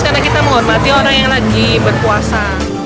karena kita menghormati orang yang lagi berpuasa